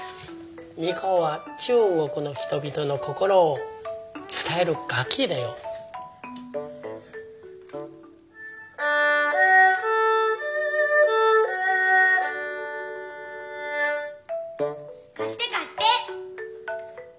二胡は中国の人々の心をつたえる楽きだよ。かしてかして。